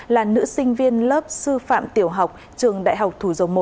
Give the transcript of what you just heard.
là nữ sinh viên lớp sư phạm tiểu học trường đại học thủ dầu một